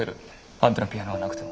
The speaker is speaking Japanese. あんたのピアノがなくても。